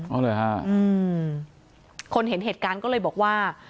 เอาเลยฮะคนเห็นเหตุการณ์ก็เลยบอกว่า